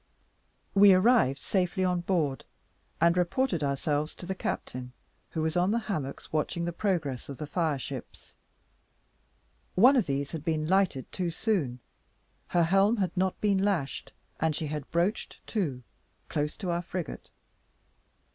We arrived safely on board, and reported ourselves to the captain, who was on the hammocks, watching the progress of the fire ships. One of these had been lighted too soon; her helm had not been lashed, and she had broached to, close to our frigate.